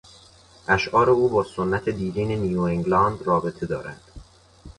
اشعار او با سنت دیرین نیوانگلاند رابطه دارد.